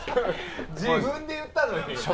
自分で言ったのに。